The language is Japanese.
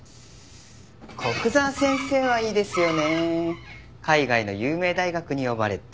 古久沢先生はいいですよね海外の有名大学に呼ばれて。